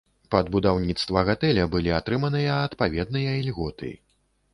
Пад будаўніцтва гатэля былі атрыманыя адпаведныя ільготы.